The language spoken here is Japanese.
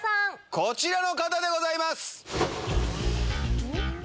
こちらの方でございます。